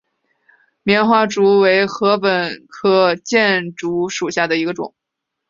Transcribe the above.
棉花竹为禾本科箭竹属下的一个种。